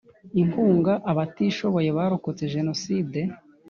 Inkunga Abatishoboye barokotse Jenoside